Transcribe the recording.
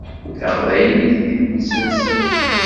Taqbaylit d idles-nsen.